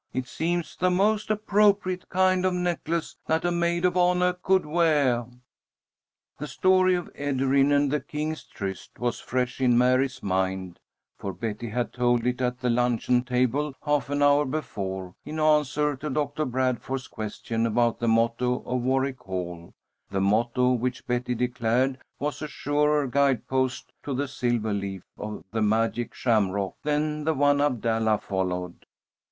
It seems the most appropriate kind of a necklace that a maid of honah could weah." The story of Ederyn and the king's tryst was fresh in Mary's mind, for Betty had told it at the lunch table half an hour before, in answer to Doctor Bradford's question about the motto of Warwick Hall; the motto which Betty declared was a surer guide post to the silver leaf of the magic shamrock than the one Abdallah followed.